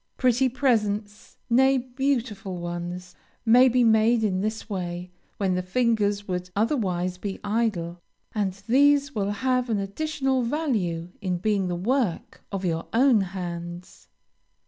Pretty presents nay, beautiful ones may be made in this way, when the fingers would otherwise be idle, and these will have an additional value in being the work of your own hands.